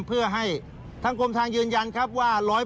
เพื่อให้ทางกรมทางยืนยันครับว่า๑๐๐